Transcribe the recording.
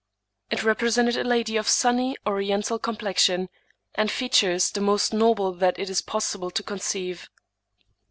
It represented a lady of sunny, oriental complexion, and features the most noble that it is possible to conceive.